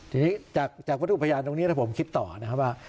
ทีนี้จากวัตถุพยานตรงนี้ถ้าผมคิดต่อนะครับว่า